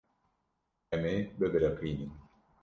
Em ê bibiriqînin.